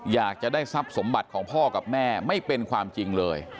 อยากจะได้ทรัพย์สมบัติของพ่อกับแม่ไม่เป็นความจริงเลย